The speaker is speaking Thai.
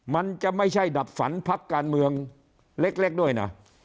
มันจะไม่ใช่ดับฝันพักการเมืองเล็กด้วยนะ